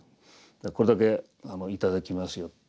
「これだけ頂きますよ」